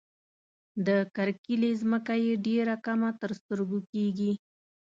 د کرکيلې ځمکه یې ډېره کمه تر سترګو کيږي.